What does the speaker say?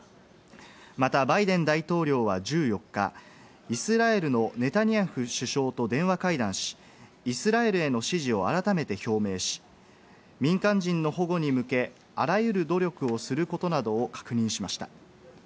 またバイデン大統領は１４日、イスラエルのネタニヤフ首相と電話会談し、イスラエルへの支持を改めて表明し、民間人の保護に向け、あらゆる努力をすることなどを確認しました。